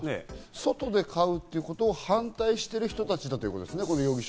外で飼うということを反対している人たちだということですね。